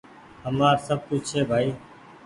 همآر سب ڪڇه ڇي ڀآئي